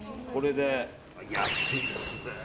安いですねー！